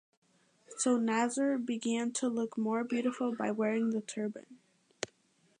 So Nasr began to look more beautiful by wearing the turban.